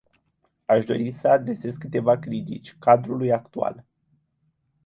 Aș dori să adresez câteva critici cadrului actual.